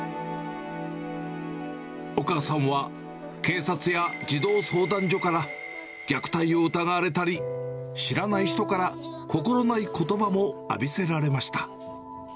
お母さんは、警察や児童相談所から、虐待を疑われたり、知らない人から心ないことばも浴びせられました。